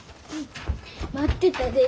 待ってたで。